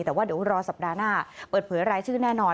แต่ว่าเดี๋ยวรอสัปดาห์หน้าเปิดเผยรายชื่อแน่นอน